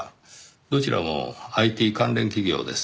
どちらもＩＴ関連企業です。